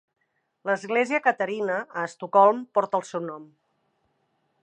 L'església Katarina a Estocolm porta el seu nom.